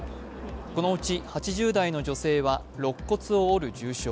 このうち８０代の女性はろっ骨を折る重傷。